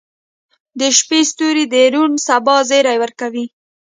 • د شپې ستوري د روڼ سبا زیری ورکوي.